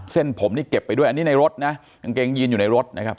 เส้นผมนี่เก็บไปด้วยอันนี้ในรถนะกางเกงยีนอยู่ในรถนะครับ